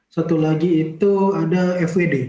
satu lagi itu ada fwd